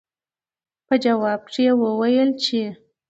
پۀ جواب کښې يې وويل چې